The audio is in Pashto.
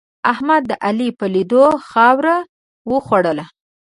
احمد د علي په لیدو خاوره وخرله.